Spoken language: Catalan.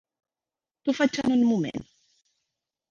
T'ho faig en un moment.